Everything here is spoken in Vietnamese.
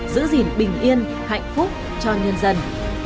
giữ gìn bình yên hạnh phúc cho nhân dân